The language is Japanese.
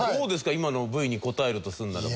今のＶに答えるとするならば。